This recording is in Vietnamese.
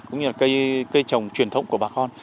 cũng như là cây trồng truyền thống của bà con